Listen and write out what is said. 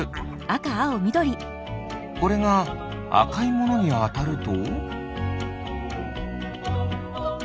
これがあかいものにあたると。